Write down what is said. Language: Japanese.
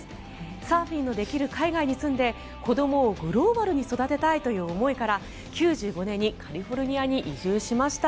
サーフィンのできる海外に住んで子どもをグローバルに育てたいという思いから１９９５年にカリフォルニアに移住しました。